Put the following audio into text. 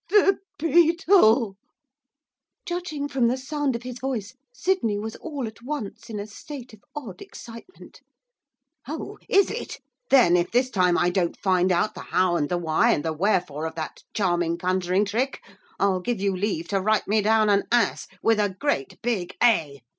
'The Beetle!' Judging from the sound of his voice Sydney was all at once in a state of odd excitement. 'Oh, is it! Then, if this time I don't find out the how and the why and the wherefore of that charming conjuring trick, I'll give you leave to write me down an ass, with a great, big A.